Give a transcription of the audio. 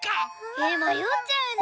えまよっちゃうね。